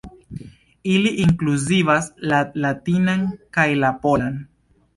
Ili inkluzivas la latinan kaj la polan.